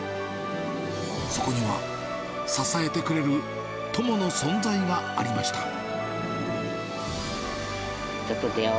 そこには、支えてくれる友の存在がありました。